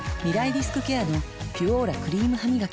リスクケアの「ピュオーラ」クリームハミガキ